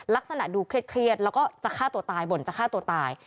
ลักษณะดูเครียดแล้วก็จะฆ่าตัวตายบ่นจะฆ่าตัวตาย